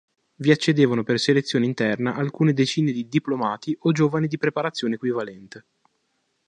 Vi accedevano per selezione interna alcune decine di diplomati o giovani di preparazione equivalente.